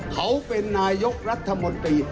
เขาเป็นนายกรัฐมนตรี